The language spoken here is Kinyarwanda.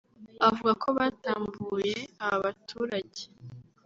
avuga ko batambuye aba baturage